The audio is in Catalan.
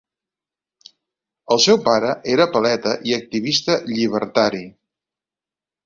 El seu pare era paleta i activista llibertari.